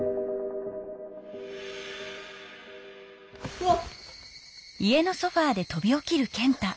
うわっ。